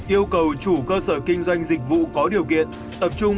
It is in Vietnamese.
yêu cầu chủ cơ sở kinh doanh dịch vụ có điều kiện